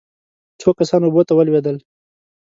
څو کسان اوبو ته ولوېدل.